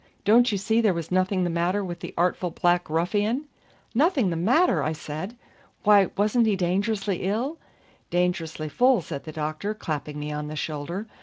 Don't you see there was nothing the matter with the artful black ruffian." "Nothing the matter!" I said. "Why, wasn't he dangerously ill?" "Dangerously full," said the doctor, clapping me on the shoulder.